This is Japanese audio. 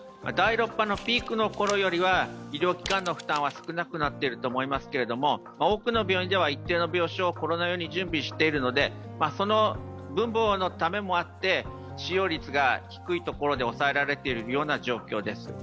第６波のピークのころよりは医療機関の負担は少なくなっていると思いますが、多くの病院では一定の病床をコロナ用に用意しているのでその分母のためもあって使用率が低いところで抑えられているような状況です。